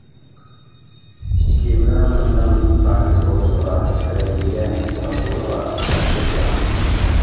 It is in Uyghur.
ئىچ كىيىملىرىڭىزنىڭ پاكىز بولۇشىغا، رەڭگىگە، پاسونىغا ئەھمىيەت بېرىڭ.